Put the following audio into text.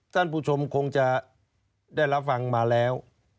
ท่านผู้ชมคงจะได้รับฟังมาแล้ว